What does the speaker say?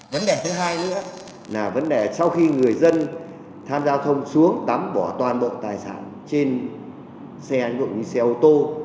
vấn đề thứ hai nữa là vấn đề sau khi người dân tham gia thông xuống tắm bỏ toàn bộ tài sản trên xe ô tô